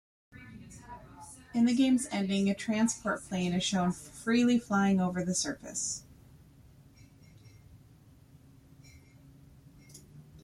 In the game's ending, a transport plane is shown, freely flying over the surface.